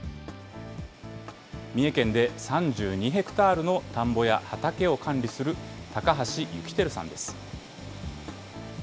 三重県で３２ヘクタールの田んぼや畑を管理する高橋幸照さんです。